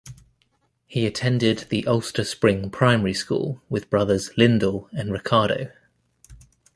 He attended the Ulster Spring primary school with brothers Lindel and Ricardo.